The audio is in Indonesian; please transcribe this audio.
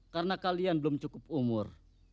karena kalian belum cukup umur